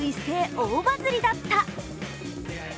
大バズりだった。